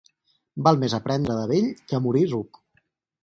Val més aprendre de vell que morir ruc.